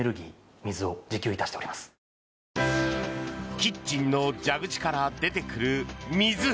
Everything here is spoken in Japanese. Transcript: キッチンの蛇口から出てくる水。